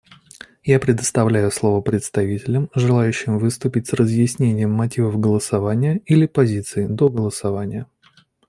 Я предоставляю слово представителям, желающим выступить с разъяснением мотивов голосования или позиции до голосования.